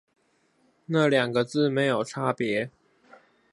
那兩個字有沒有差別